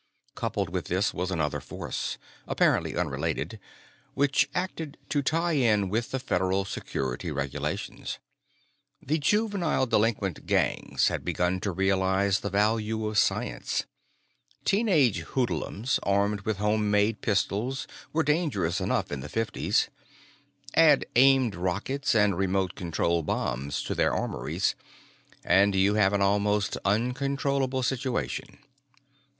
Coupled with this was another force apparently unrelated which acted to tie in with the Federal security regulations. The juvenile delinquent gangs had begun to realize the value of science. Teen age hoodlums armed with homemade pistols were dangerous enough in the Fifties; add aimed rockets and remote control bombs to their armories, and you have an almost uncontrollable situation.